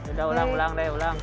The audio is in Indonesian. udah ulang ulang deh ulang